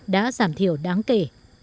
đã giảm thiểu đáng kỳ